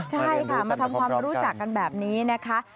ใช่ค่ะมาทำความรู้จักกันแบบนี้นะคะ